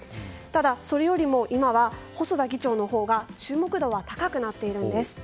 ただ、それよりも今は細田議長のほうが注目度は高くなっているんです。